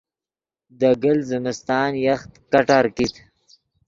دے گلت زمستان یخ کٹار کیت